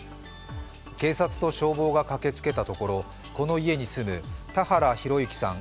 警察と消防が駆けつけたところこの家に住む田原広行さん